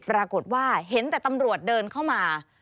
ปรากฏว่าเห็นแต่ตำรวจเดินเข้ามา